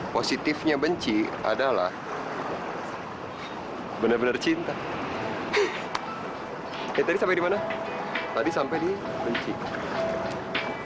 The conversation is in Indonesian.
positifnya benci adalah benar benar cinta kita disampai dimana tadi sampai di benci enggak